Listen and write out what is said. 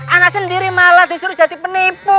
anak sendiri malah disuruh jadi penipu